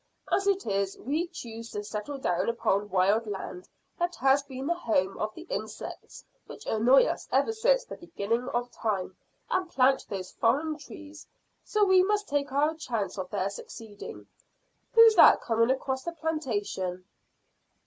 As it is, we choose to settle down upon wild land that has been the home of the insects which annoy us ever since the beginning of time, and plant those foreign trees, so we must take our chance of their succeeding. Who's that coming across the plantation?"